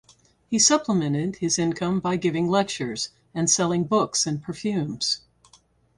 He supplemented his income by giving lectures and selling books and perfumes.